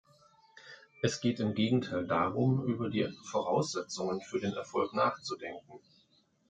Es geht im Gegenteil darum, über die Voraussetzungen für den Erfolg nachzudenken.